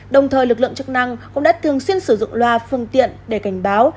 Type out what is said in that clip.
đồng thời lực lượng chức năng cũng đã thường xuyên sử dụng loa phương tiện để cảnh báo